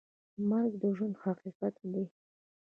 مرګ د ژوند حقیقت دی؟